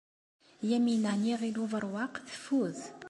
Yamina n Yiɣil Ubeṛwaq teffud.